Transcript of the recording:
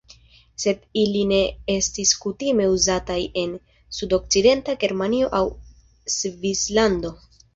Sed ili ne estis kutime uzataj en sudokcidenta Germanio aŭ Svislando.